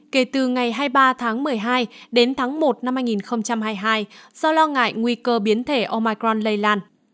kể từ ngày hai mươi ba tháng một mươi hai đến tháng một năm hai nghìn hai mươi hai do lo ngại nguy cơ biến thể omicron lây lan